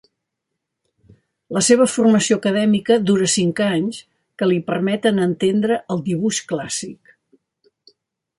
La seva formació acadèmica dura cinc anys, que li permeten entendre el dibuix clàssic.